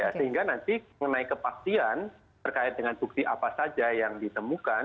sehingga nanti mengenai kepastian terkait dengan bukti apa saja yang ditemukan